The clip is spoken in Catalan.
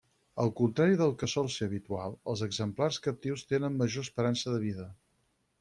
Al contrari del que sol ser habitual, els exemplars captius tenen major esperança de vida.